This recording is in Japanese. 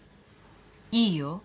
いいよ。